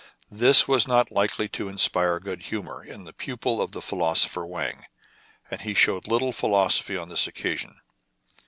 This was not likely to inspire good hu mor in the pupil of the philosopher Wang, and he showed little philosophy on this occasion.